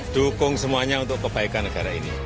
dukung semuanya untuk kebaikan negara ini